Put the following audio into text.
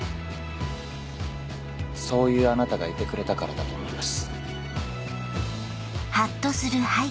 そういうあなたがいてくれたからだと思います。